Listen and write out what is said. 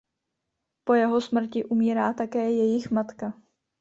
Po jeho smrti umírá také jejich matka.